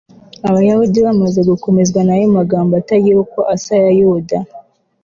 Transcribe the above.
abayahudi bamaze gukomezwa n'ayo magambo atagira uko asa ya yuda